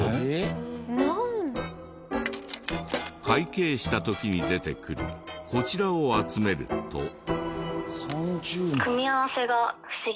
会計した時に出てくるこちらを集めると。